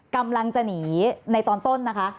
กำลังจะหนีในตอนต้นนะคะ